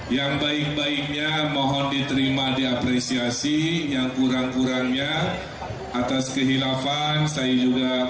yang baik baiknya mohon diterima diapresiasi yang kurang kurangnya atas kehilafan saya juga